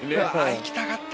行きたかった。